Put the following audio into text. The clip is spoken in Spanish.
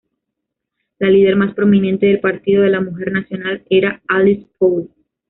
La lider más prominente del partido de la Mujer Nacional era Alice Paul.